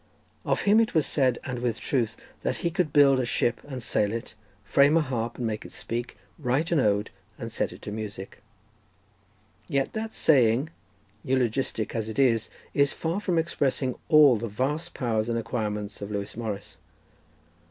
Of him it was said, and with truth, that he could build a ship and sail it, frame a harp and make it speak, write an ode and set it to music. Yet that saying, eulogistic as it is, is far from expressing all the vast powers and acquirements of Lewis Morris.